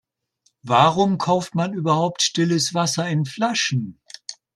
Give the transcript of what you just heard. Warum kauft man überhaupt stilles Wasser in Flaschen?